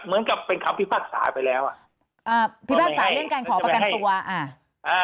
เหมือนกับเป็นคำพิพากษาไปแล้วอ่ะอ่าพิพากษาเรื่องการขอประกันตัวอ่าอ่า